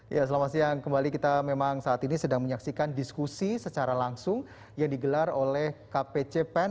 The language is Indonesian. ya selamat siang kembali kita memang saat ini sedang menyaksikan diskusi secara langsung yang digelar oleh kpc pen